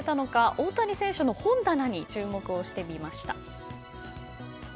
大谷選手の本棚に注目してみました。